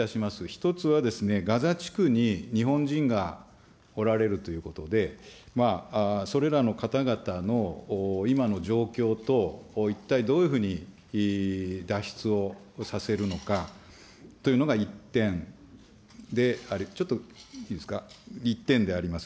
１つはガザ地区に日本人がおられるということで、それらの方々の今の状況と、一体どういうふうに脱出をさせるのかというのが１点で、あれ、ちょっといいですか、１点であります。